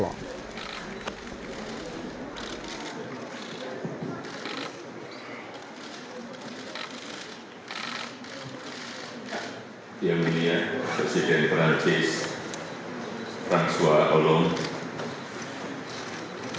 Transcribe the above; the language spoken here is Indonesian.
yang ini ya presiden perancis fransua olom